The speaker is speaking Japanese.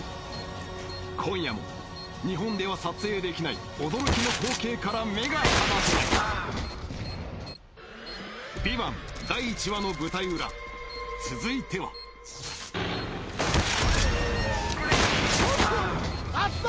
今夜も日本では撮影できない驚きの光景から目が離せない「ＶＩＶＡＮＴ」第１話の舞台裏続いてはキャーッウオッホー！